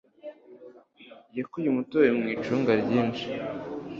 Yakuye umutobe mu icunga ryinshi.